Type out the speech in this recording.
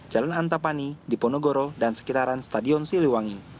jalan antapani diponegoro dan sekitaran stadion siliwangi